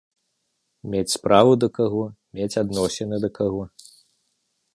Мець справу да каго, мець адносіны да каго.